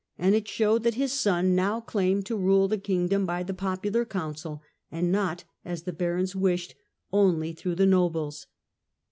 and it showed that his son now claimed to rule the kingdom by the popular counsel, and not, as the barons wished, only through the nobles.